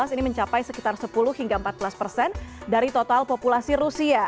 ini mencapai sekitar sepuluh hingga empat belas persen dari total populasi rusia